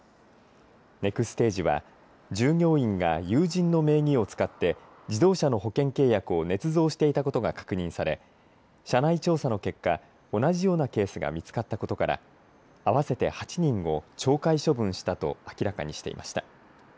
ネクステージは従業員が友人の名義を使って自動車の保険契約をねつ造していたことが確認され社内調査の結果、同じようなケースが見つかったことから合わせて８人を懲戒処分したと明らかにしていました。